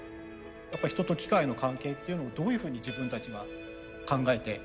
やっぱ人と機械の関係っていうのをどういうふうに自分たちは考えてデザインしていくのか。